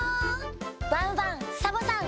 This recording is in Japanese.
ワンワンサボさん